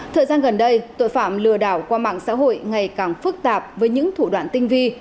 thời gian gần đây tội phạm lừa đảo qua mạng xã hội ngày càng phức tạp với những thủ đoạn tinh vi